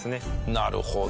なるほど。